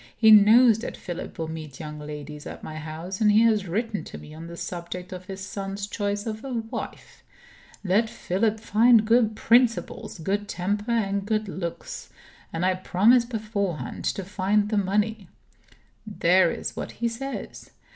He knows that Philip will meet young ladies at my house; and he has written to me on the subject of his son's choice of a wife. 'Let Philip find good principles, good temper, and good looks; and I promise beforehand to find the money.' There is what he says.